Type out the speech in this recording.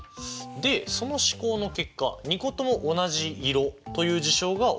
でその試行の結果２個とも同じ色という事象が起こる確率でしょ。